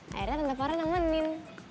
akhirnya tante farah nemenin